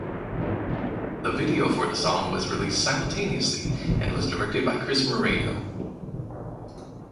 The video for the song was released simultaneously and was directed by Chris Moreno.